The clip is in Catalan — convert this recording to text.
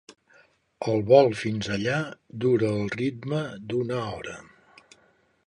El vol fins allà dura al ritme d'una hora.